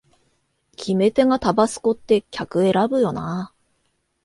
決め手がタバスコって客選ぶよなあ